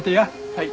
はい。